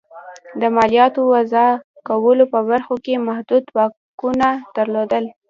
د مالیاتو وضعه کولو په برخو کې محدود واکونه درلودل.